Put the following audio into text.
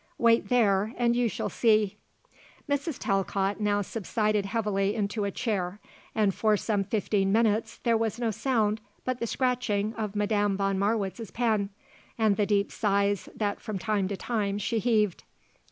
Wait there and you shall see." Mrs. Talcott now subsided heavily into a chair and for some fifteen minutes there was no sound but the scratching of Madame von Marwitz's pen and the deep sighs that from time to time she heaved.